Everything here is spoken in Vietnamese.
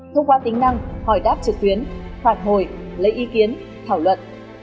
thông qua tính năng hỏi đáp trực tuyến phạt hồi lấy ý kiến thảo luận